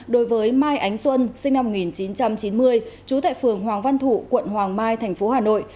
đối với mai ánh xuân sinh năm một nghìn chín trăm chín mươi chú tại phường hoàng văn thủ quận hoàng mai tp hà nội